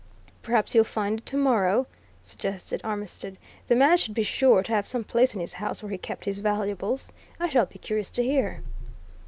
"Perhaps you'll find it tomorrow," suggested Armitstead. "The man would be sure to have some place in his house where he kept his valuables. I shall be curious to hear."